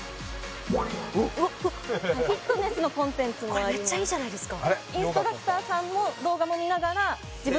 これめっちゃいいじゃないですか